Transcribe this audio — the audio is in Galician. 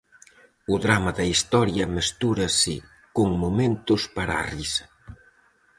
O drama da historia mestúrase con momentos para a risa.